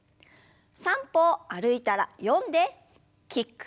３歩歩いたら４でキック。